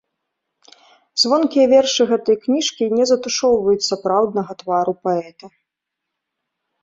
Звонкія вершы гэтай кніжкі не затушоўваюць сапраўднага твару паэта.